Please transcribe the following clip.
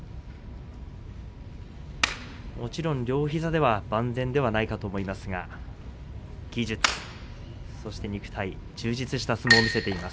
もちろん両膝は万全ではないかと思いますが技術、そして肉体充実した相撲を見せています。